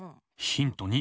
ヒント２！